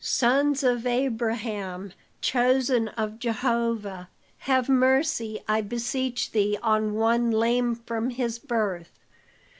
"Sons of Abraham! Chosen of Jehovah! have mercy, I beseech thee, on one lame from his birth!